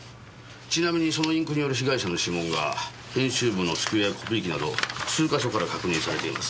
ちなみにそのインクによる被害者の指紋が編集部の机やコピー機など数か所から確認されています。